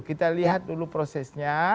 kita lihat dulu prosesnya